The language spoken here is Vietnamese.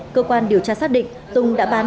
cơ quan điều tra xác định tùng đã bán